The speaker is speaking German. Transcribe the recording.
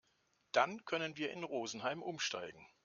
Dann können wir in Rosenheim umsteigen.